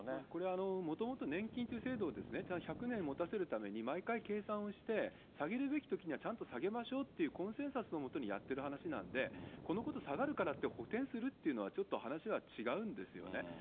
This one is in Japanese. これ、もともと年金という制度を１００年もたせるために、毎回計算をして、下げるべきときにはちゃんと下げましょうというコンセンサスのもとにやってる話なんで、このこと下がるからって補填するというのは、ちょっと話が違うんですよね。